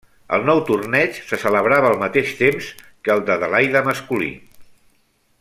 El nou torneig se celebrava al mateix temps que el d'Adelaida masculí.